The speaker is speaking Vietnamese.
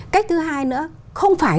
cách thứ hai nữa không phải